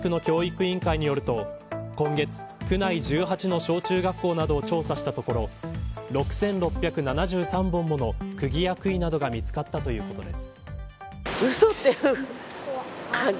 杉並区の教育委員会によると今月、区内１８の小中学校などを調査しところ６６７３本ものくぎやくいが見つかったということです。